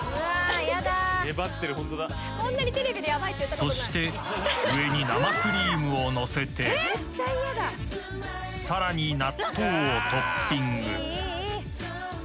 ［そして上に生クリームを載せてさらに納豆をトッピング］